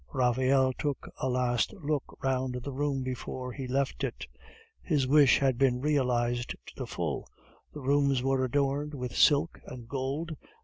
Raphael took a last look round the room before he left it. His wish had been realized to the full. The rooms were adorned with silk and gold.